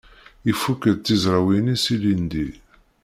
Ifukk-d tizrawin-is ilindi.